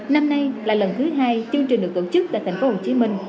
năm nay là lần thứ hai chương trình được tổ chức tại tp hcm